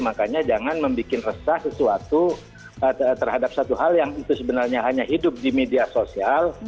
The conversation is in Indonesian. makanya jangan membuat resah sesuatu terhadap satu hal yang itu sebenarnya hanya hidup di media sosial